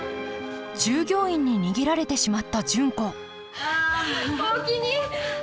従業員に逃げられてしまった純子おおきに！